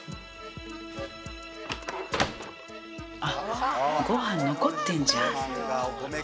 あっご飯残ってんじゃん